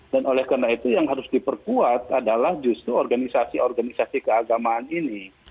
dan oleh karena itu yang harus diperkuat adalah justru organisasi organisasi keagamaan ini